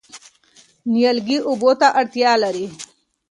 نیالګي اوبو ته اړتیا لري.